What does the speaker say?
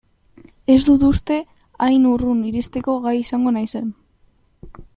Ez dut uste hain urrun iristeko gai izango naizen.